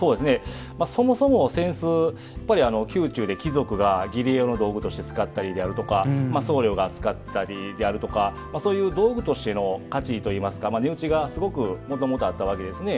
そもそも扇子は宮中で貴族が儀礼用の道具として使ったりとか僧侶が使ってたりであるとかそういう道具としての価値といいますか、値打ちがすごくもともとあったわけですね。